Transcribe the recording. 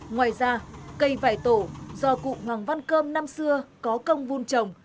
ngoài ra cây vải tổ do cụ hoàng văn cơm năm xưa có công vun trồng